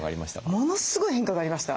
ものすごい変化がありました。